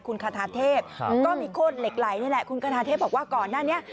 คุณคาทาเทพก็มีโคตรเหล็กไหลนี่แหละคุณคาทาเทพบอกว่าก่อนหน้านี้